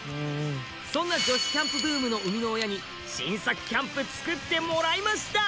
そんな女子キャンプブームの生みの親に新作キャンプつくってもらいました！